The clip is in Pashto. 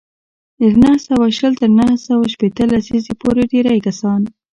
له نهه سوه شل تر نهه سوه شپېته لسیزې پورې ډېری کسان